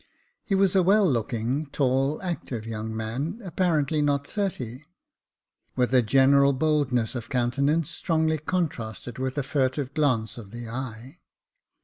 He was a well looking, tall, active young man, apparently not thirty, with a general boldness of countenance strongly contrasted with a furtive glance of the eye.